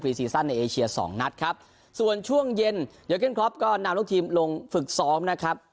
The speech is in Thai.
ซีซั่นในเอเชียสองนัดครับส่วนช่วงเย็นโยเก้นครอปก็นำลูกทีมลงฝึกซ้อมนะครับ